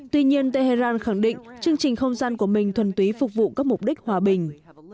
tuy nhiên tehran khẳng định chương trình không gian của mình thuần túy phục vụ các mục đích hòa bình